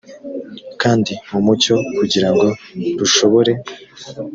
kandi mu mucyo kugira ngo rushobore